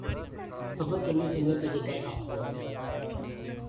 سفر کرنے سے نئے تجربات حاصل ہوتے ہیں